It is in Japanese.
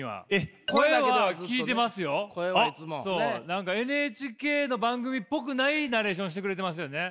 何かＮＨＫの番組っぽくないナレーションしてくれてますよね！